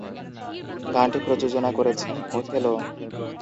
গানটি প্রযোজনা করেছেন ওথেলো।